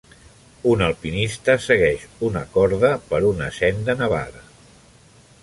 Un alpinista segueix una corda per una senda nevada.